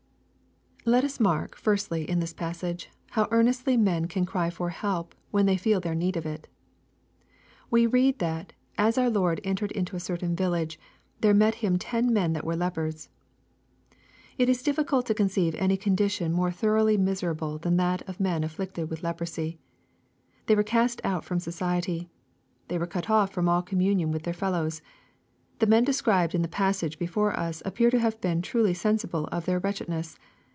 Let us mark, firstly, ia this passage, how earnestly men can cry for help when they feel their need of it. We read that '^ as our Lord entered into a certain village there met him ten men that were lepers." It is difficult to conceive any condition more thoroughly miserable than that of men afflicted with leprosy. They were cast out from society. They were cut off from all communion with their fellows. The men described in the passage before us appear to have been truly st^nsible of their wretchedness.